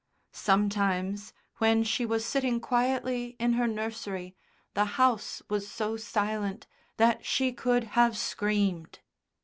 Sometimes, when she was sitting quietly in her nursery, the house was so silent that she could have screamed.